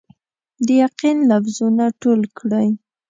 د یقین لفظونه ټول کړئ